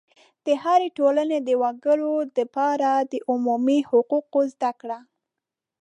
د هرې ټولنې د وګړو دپاره د عمومي حقوقو زده کړه